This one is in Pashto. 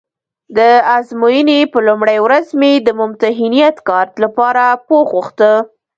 د ازموینې په لومړۍ ورځ مې د ممتحنیت کارت لپاره پوښ غوښته.